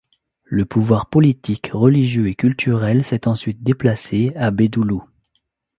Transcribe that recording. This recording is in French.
Le pouvoir politique, religieux et culturel s'est ensuite déplacé à Bedulu.